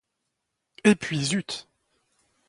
Et puis, zut!